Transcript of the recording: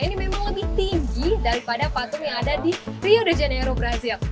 ini memang lebih tinggi daripada patung yang ada di rio de janeiro brazil